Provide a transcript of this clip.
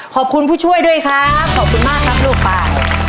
ผู้ช่วยด้วยครับขอบคุณมากครับลูกป่า